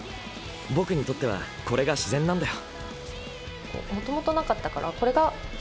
僕にとってはこれが自然なんだよ。